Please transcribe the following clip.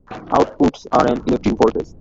Outputs are an electric voltage.